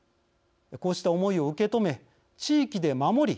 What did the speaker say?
こうした思いを受け止め地域で守り